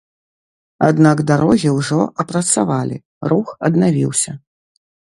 Аднак дарогі ўжо апрацавалі, рух аднавіўся.